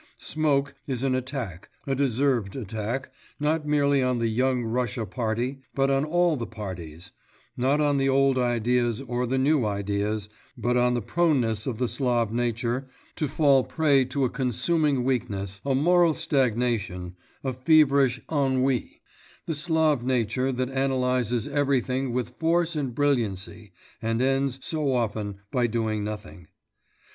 Smoke is an attack, a deserved attack, not merely on the Young Russia Party, but on all the Parties; not on the old ideas or the new ideas, but on the proneness of the Slav nature to fall a prey to a consuming weakness, a moral stagnation, a feverish ennui, the Slav nature that analyses everything with force and brilliancy, and ends, so often, by doing nothing.